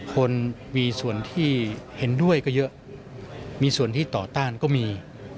คนมีส่วนที่เห็นด้วยก็เยอะมีส่วนที่ต่อต้านก็มี